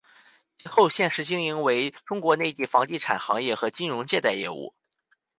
其后现时经营为中国内地房地产行业和金融借贷业务。